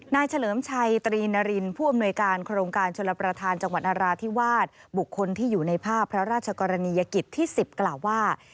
เฉลิมชัยตรีนารินผู้อำนวยการโครงการชลประธานจังหวัดนราธิวาสบุคคลที่อยู่ในภาพพระราชกรณียกิจที่๑๐กล่าวว่า